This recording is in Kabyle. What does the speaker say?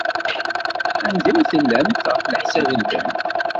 Anda ay tellamt, ɣef leḥsab-nwent?